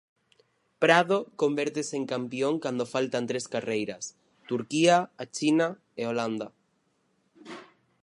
Prado convértese en campión cando faltan tres carreiras: Turquía, a China e Holanda.